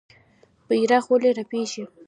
بیرغ ولې رپیږي؟